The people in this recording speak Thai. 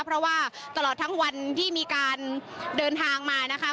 เพราะว่าตลอดทั้งวันที่มีการเดินทางมานะคะ